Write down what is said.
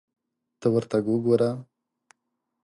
ته ورته وګوره !